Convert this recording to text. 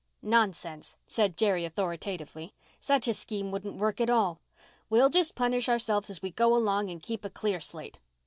"Nonsense," said Jerry authoritatively. "Such a scheme wouldn't work at all. We'll just punish ourselves as we go along and keep a clear slate.